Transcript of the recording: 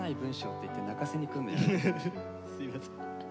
すいません。